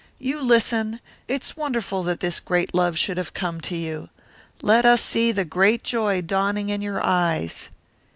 You listen it's wonderful that this great love should have come to you. Let us see the great joy dawning in your eyes."